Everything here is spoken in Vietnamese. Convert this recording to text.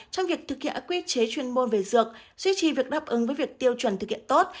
trong việc thực hiện quy chế chuyên môn về dược duy trì việc đáp ứng với việc tiêu chuẩn thực hiện tốt